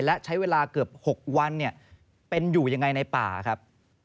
และใช้เวลาเกือบ๖วันเป็นอยู่ยังไงในป่าครับ